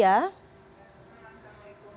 selamat malam pak saleh